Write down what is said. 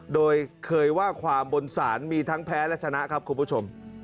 โดยเคยว่าความบนศาลมีทั้งแพ้และชนะครับคุณผู้ชม